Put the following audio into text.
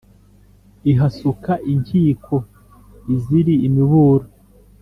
Ihasuka inkiko izira imiburo,